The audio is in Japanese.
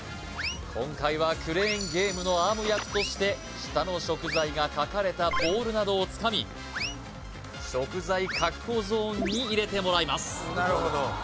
今回はクレーンゲームのアーム役として下の食材が書かれたボールなどをつかみ食材確保ゾーンに入れてもらいます